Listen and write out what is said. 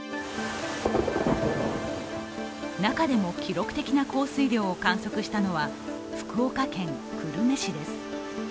中でも記録的な降水量を観測したのは福岡県久留米市です。